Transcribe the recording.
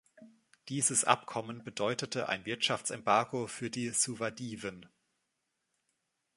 Dieses Abkommen bedeutete ein Wirtschaftsembargo für die Suvadiven.